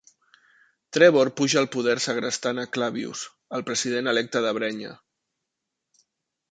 Trevor puja al poder segrestant a Clavius, el president electe de Bregna.